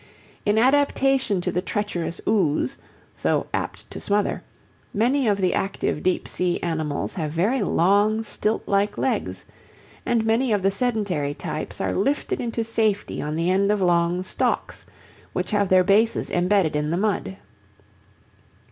In adaptation to the treacherous ooze, so apt to smother, many of the active deep sea animals have very long, stilt like legs, and many of the sedentary types are lifted into safety on the end of long stalks which have their bases embedded in the mud.